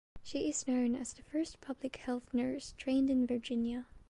She is known as the first public health nurse trained in Virginia.